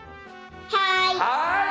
はい。